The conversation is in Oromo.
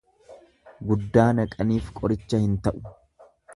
Guddaa naqaniif qoricha hin ta'u.